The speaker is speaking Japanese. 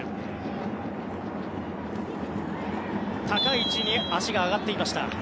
高い位置に足が上がっていました。